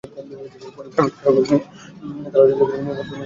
পরে private car নিয়ে তারা চলে যেতে চাইলে নিরাপত্তাকর্মী ফটক খুলছিলেন না।